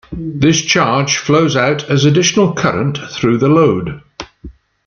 This charge flows out as additional current through the load.